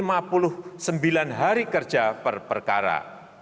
maka mereka telah mencapai lima puluh sembilan hari kerja per perkara